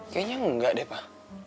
kayaknya enggak deh pak